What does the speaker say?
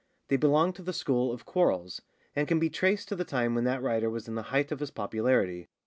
They belong to the school of Quarles, and can be traced to the time when that writer was in the height of his popularity.